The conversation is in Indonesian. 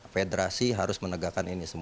federasi harus menegakkan ini